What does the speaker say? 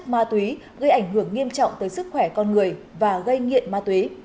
ma túy gây ảnh hưởng nghiêm trọng tới sức khỏe con người và gây nghiện ma túy